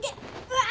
うわ！